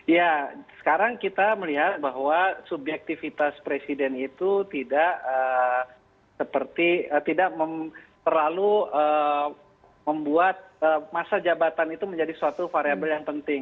ya sekarang kita melihat bahwa subjektivitas presiden itu tidak seperti tidak terlalu membuat masa jabatan itu menjadi suatu variable yang penting